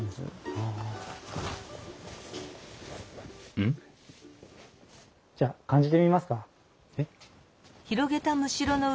うん？じゃあ感じてみますか。